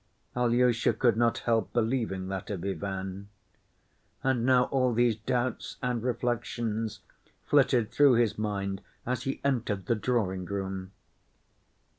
Alyosha could not help believing that of Ivan. And now all these doubts and reflections flitted through his mind as he entered the drawing‐room.